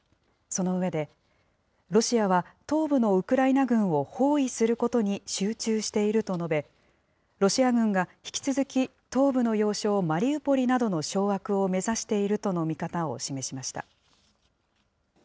その上で、ロシアは東部のウクライナ軍を包囲することに集中していると述べ、ロシア軍が引き続き東部の要衝、マリウポリなどの掌握を目指しているとの見方を示しました。